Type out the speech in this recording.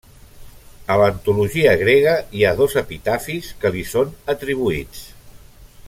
A l'antologia grega hi ha dos epitafis que li són atribuïts.